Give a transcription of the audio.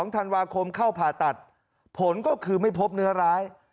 ๒ธันวาคมเข้าผ่าตัดผลก็คือไม่พบเนื้อร้าย